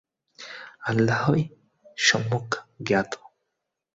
আল্লাহই সম্যক জ্ঞাত।